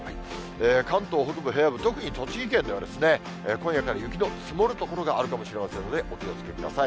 関東北部、平野部、特に栃木県では、今夜から雪の積もる所があるかもしれませんので、お気をつけください。